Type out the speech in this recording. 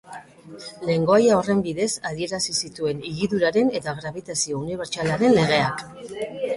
Lengoaia horren bidez adierazi zituen higiduraren eta grabitazio unibertsalaren legeak.